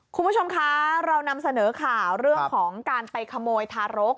คุณผู้ชมคะเรานำเสนอข่าวเรื่องของการไปขโมยทารก